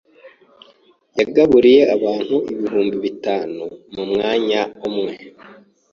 yagaburiye abantu ibihumbi bitanu mu mwanya umwe